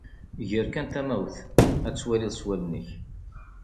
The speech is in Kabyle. Ger kan tamawt, ad twaliḍ s wallen-ik.